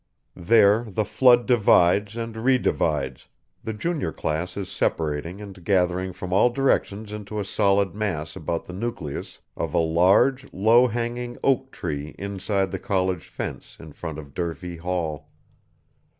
There the flood divides and re divides; the junior class is separating and gathering from all directions into a solid mass about the nucleus of a large, low hanging oak tree inside the college fence in front of Durfee Hall.